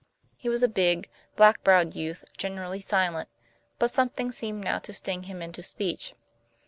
He was a big, black browed youth generally silent, but something seemed now to sting him into speech.